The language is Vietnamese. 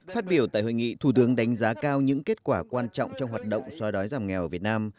phát biểu tại hội nghị thủ tướng đánh giá cao những kết quả quan trọng trong hoạt động xóa đói giảm nghèo ở việt nam